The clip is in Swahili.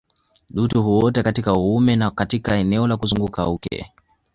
Dutu huota katika uume na katika eneo la kuzunguka uke